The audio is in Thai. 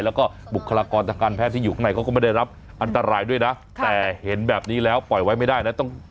แล้วก็บุคลากรทางการแพทย์ที่อยู่ข้างในเขาก็ไม่ได้รับอันตรายด้วยนะแต่เห็นแบบนี้แล้วปล่อยไว้ไม่ได้นะต้อง